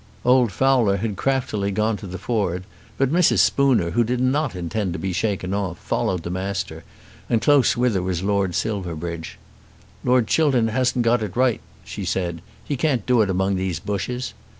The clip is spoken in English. Old Fowler had craftily gone to the ford; but Mrs. Spooner, who did not intend to be shaken off, followed the Master, and close with her was Lord Silverbridge. "Lord Chiltern hasn't got it right," she said. "He can't do it among these bushes."